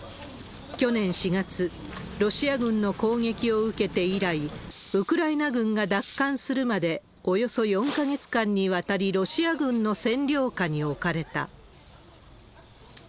去年４月、ロシア軍の攻撃を受けて以来、ウクライナ軍が奪還するまでおよそ４か月間にわたりロシア軍の占領下に置かれた。